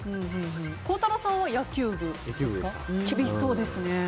孝太郎さんは野球部ですか厳しそうですね。